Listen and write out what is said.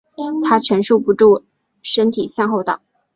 她承受不住身体向后倒